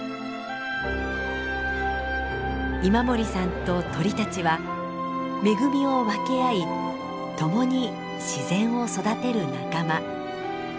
今森さんと鳥たちは恵みを分け合い共に自然を育てる仲間。